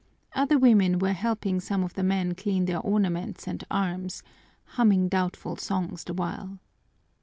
Other women were helping some of the men clean their ornaments and arms, humming doubtful songs the while.